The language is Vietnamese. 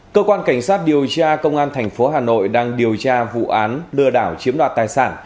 cơ quan cảnh sát điều tra công an thành phố hà nội đang điều tra vụ án lừa đảo chiếm đoạt tài sản